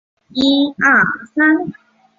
市境大地构造属扬子准地台上扬子台褶带。